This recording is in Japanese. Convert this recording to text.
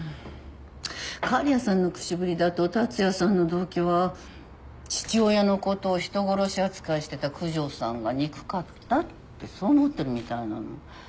狩矢さんの口ぶりだと竜也さんの動機は父親のことを人殺し扱いしてた九条さんが憎かったってそう思ってるみたいなの。